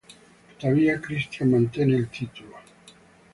Tuttavia, Christian mantenne il titolo.